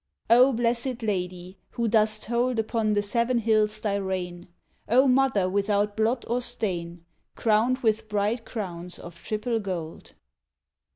O Blessed Lady, who dost hold Upon the seven hills thy reign! O Mother without blot or stain, Crowned with bright crowns of triple gold!